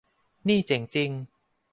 นี่เจ๋งจริง